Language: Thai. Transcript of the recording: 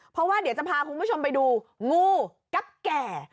เพราะว่าเดี๋ยวจะพาคุณผู้ชมไปดูงูกับแก่